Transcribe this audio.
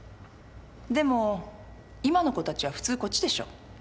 でも今の子たちは普通こっちでしょ。